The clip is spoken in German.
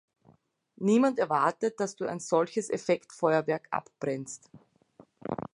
Niemand erwartet, dass du ein solches Effektfeuerwerk abbrennst.